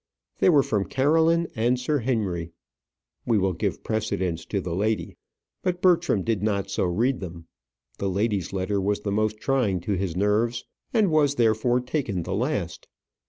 They were from Caroline and Sir Henry. We will give precedence to the lady; but Bertram did not so read them. The lady's letter was the most trying to his nerves, and was therefore taken the last.